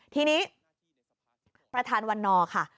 ทีนี้ประธานวันนอร์ค่ะ